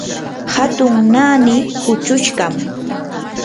hatun naani huchushqam.